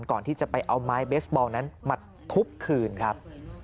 ก่อนที่จะไปเอาไม้เบสบอลนั้นมาทุบคืนครับ